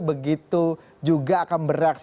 begitu juga akan bereaksi